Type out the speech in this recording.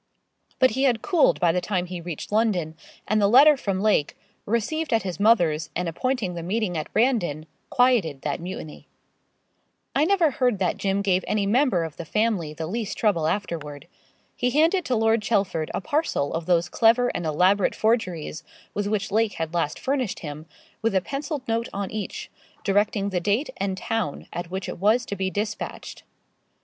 But he had cooled by the time he reached London, and the letter from Lake, received at his mother's and appointing the meeting at Brandon, quieted that mutiny. I never heard that Jim gave any member of the family the least trouble afterward. He handed to Lord Chelford a parcel of those clever and elaborate forgeries, with which Lake had last furnished him, with a pencilled note on each, directing the date and town at which it was to be despatched.